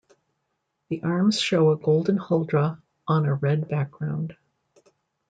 The arms show a golden huldra on a red background.